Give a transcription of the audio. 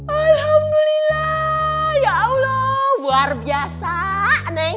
alhamdulillah ya allah luar biasa nih